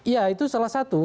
ya itu salah satu